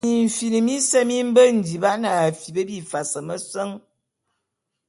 Mimfin mise mi mbe ndiban a afip bifas meseñ.